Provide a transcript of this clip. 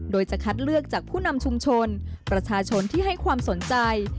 โดยจะคัดเลือกจากผู้นำชุมชนประชาชนที่ให้ความสนใจ